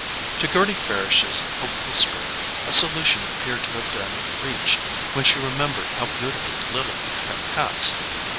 To Gerty Farish's hopeful spirit a solution appeared to have been reached when she remembered how beautifully Lily could trim hats.